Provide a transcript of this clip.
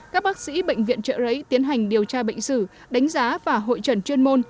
các bác sĩ bệnh viện trợ rẫy tiến hành điều tra bệnh sử đánh giá và hội trần chuyên môn